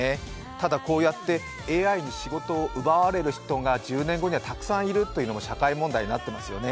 ただ、こうやってＡＩに仕事を奪われる人が１０年後にはたくさんいるというのは社会問題になっていますよね。